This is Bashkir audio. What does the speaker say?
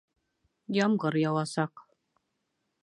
Ямғыр яуасаҡ